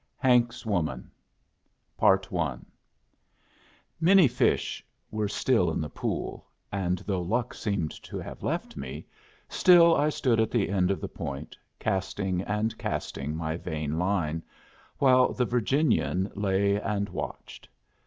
Hank's Woman I Many fish were still in the pool; and though luck seemed to have left me, still I stood at the end of the point, casting and casting my vain line, while the Virginian lay and watched.